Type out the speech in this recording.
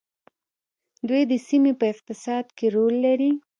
دوی د سیمې په اقتصاد کې رول لري.